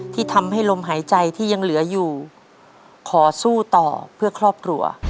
ที่ทำให้ลมหายใจที่ยังเหลืออยู่ขอสู้ต่อเพื่อครอบครัว